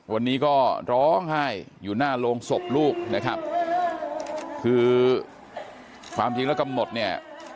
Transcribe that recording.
วันนี้ก็ร้องไห้อยู่หน้าโรงศพลูกนะครับคือความจริงแล้วกำหนดเนี่ย